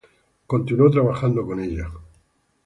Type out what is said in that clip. Él continuó trabajando con ella.